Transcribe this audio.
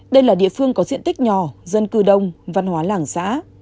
đây là địa phương có diện tích nhỏ dân cư đông văn hóa làng xã